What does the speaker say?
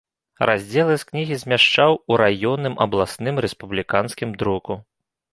Раздзелы з кнігі змяшчаў у раённым, абласным, рэспубліканскім друку.